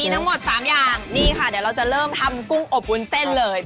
ทั้งหมด๓อย่างนี่ค่ะเดี๋ยวเราจะเริ่มทำกุ้งอบวุ้นเส้นเลย